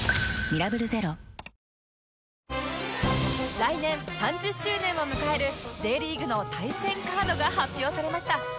来年３０周年を迎える Ｊ リーグの対戦カードが発表されました